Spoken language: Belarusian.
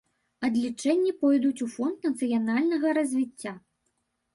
Адлічэнні пойдуць у фонд нацыянальнага развіцця.